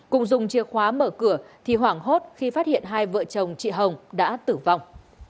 cùng dùng chìa khóa mở cửa thì hoảng hốt khi phát hiện hai vợ chồng chị hồng đã tử vong